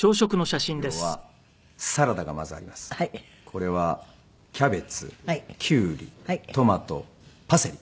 これはキャベツキュウリトマトパセリ。